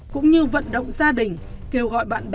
cũng như vận động gia đình kêu gọi bạn bè